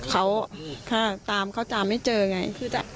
เขาค่ะตามเขาจะไม่เจอไงคือจะ